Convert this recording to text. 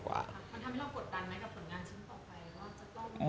กับผลงานชั้นต่อไปก็อาจจะต้อง